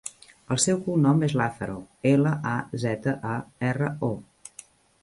El seu cognom és Lazaro: ela, a, zeta, a, erra, o.